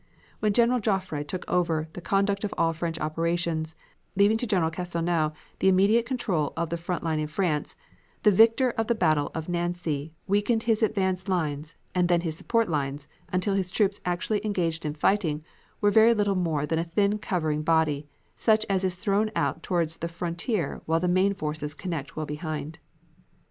When General Joffre took over the conduct of all French operations, leaving to General Castelnau the immediate control of the front in France, the victor of the battle of Nancy weakened his advance lines and then his support lines, until his troops actually engaged in fighting were very little more than a thin covering body, such as is thrown out towards the frontier while the main forces connect well behind.